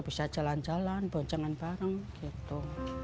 bisa jalan jalan boncengan bareng gitu